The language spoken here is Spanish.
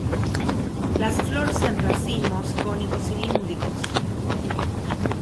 Las flors en racimos cónico-cilíndricos.